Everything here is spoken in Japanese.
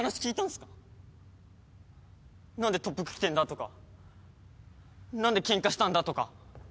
何で特服着てんだとか何でケンカしたんだとか。